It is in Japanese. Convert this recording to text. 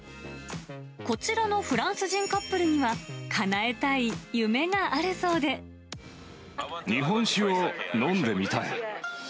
こちらのフランス人カップルには、日本酒を飲んでみたい。